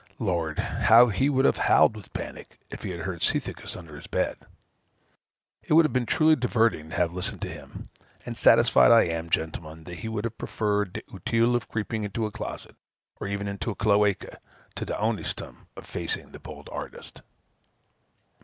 Lord! how he would have howled with panic, if he had heard Cethegus under his bed. It would have been truly diverting to have listened to him; and satisfied I am, gentlemen, that he would have preferred the utile of creeping into a closet, or even into a cloaca, to the honestum of facing the bold artist.